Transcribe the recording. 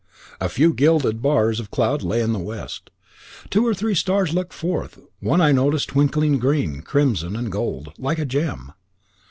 A few gilded bars of cloud lay in the west. Two or three stars looked forth one I noticed twinkling green, crimson, and gold, like a gem.